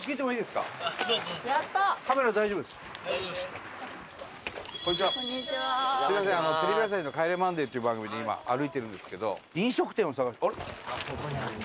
すみませんテレビ朝日の『帰れマンデー』という番組で今歩いてるんですけど。